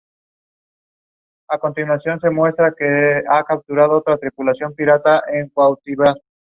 De ellos, tres fueron infructuosos debido a las difíciles condiciones de la región.